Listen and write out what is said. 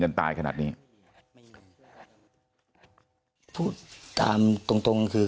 กระดิ่งเสียงเรียกว่าเด็กน้อยจุดประดิ่ง